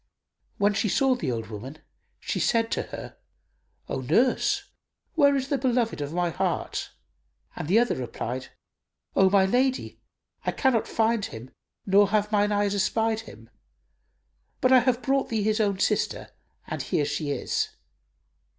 When she saw the old woman, she said to her, "O nurse, where is the beloved of my heart?"; and the other replied, "O my lady, I cannot find him nor have mine eyes espied him, but I have brought thee his own sister; and here she is."